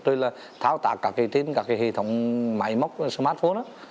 tôi là thao tạc các cái tin các cái hệ thống máy móc smartphone á